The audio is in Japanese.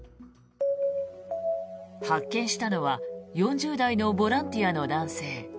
発見したのは４０代のボランティアの男性。